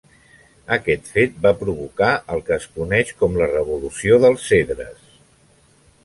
Aquest fet va provocar el que es coneix com la Revolució dels Cedres.